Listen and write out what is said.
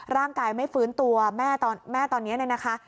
ร่างกายไม่ฟื้นตัวแม่ตอนนี้เนี่ยนะคะ